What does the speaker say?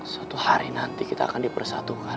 suatu hari nanti kita akan dipersatukan